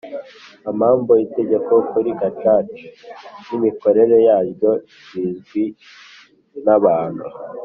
Amambu itegeko kuri gacaca n imikorere yaryo bizwi n abantu